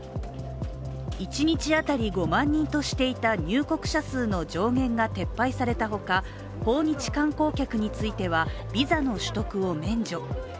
一日当たり５万人としていた入国者数の上限が撤廃されたほか訪日観光客についてはビザの取得を免除。